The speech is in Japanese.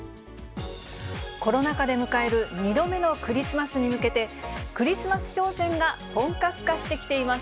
コロナ禍で迎える２度目のクリスマスに向けて、クリスマス商戦が本格化してきています。